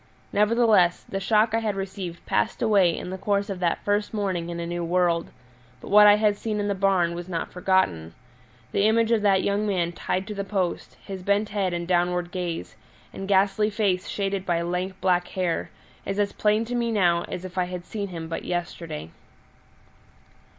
Nevertheless, the shock I had received passed away in the course of that first morning in a new world; but what I had seen in the barn was not forgotten: the image of that young man tied to the post, his bent head and downward gaze, and ghastly face shaded by lank black hair, is as plain to me now as if I had seen him but yesterday.